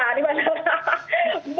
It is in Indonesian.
jadi itu banyak banget gitu